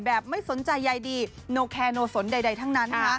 ไม่สนใจใยดีโนแคโนสนใดทั้งนั้น